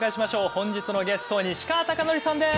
本日のゲスト西川貴教さんです。